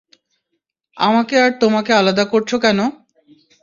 আমাকে আর তোমাকে আলাদা করছ কেন?